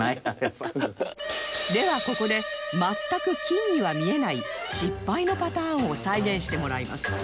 ではここで全く金には見えない失敗のパターンを再現してもらいます